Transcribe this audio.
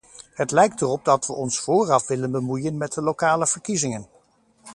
Het lijkt erop dat we ons vooraf willen bemoeien met de lokale verkiezingen.